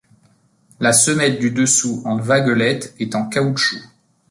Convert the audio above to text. La semelle du dessous en vaguelette est en caoutchouc.